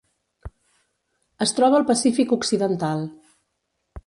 Es troba al Pacífic occidental: